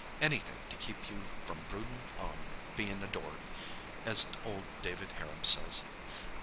Anything to keep you 'from broodin' on bein' a dorg,' as old David Harum says.